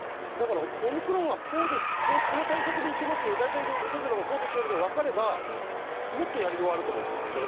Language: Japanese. だからオミクロンはこの対策でいけますよ大体、無症状の方はこうですよみたいなのが分かればもっとやりようがあると思うんですよね。